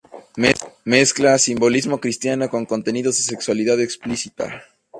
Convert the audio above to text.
Mezcla simbolismo cristiano con contenidos de sexualidad explícita.